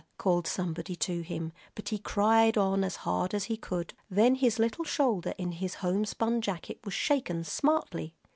called somebody to him, but he cried on as hard as he could. Then his little shoulder in his homespun jacket was shaken smartly.